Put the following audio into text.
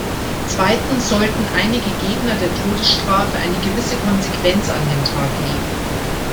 Zweitens sollten einige Gegner der Todesstrafe eine gewisse Konsequenz an den Tag legen.